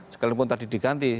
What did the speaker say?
sekalipun tadi diganti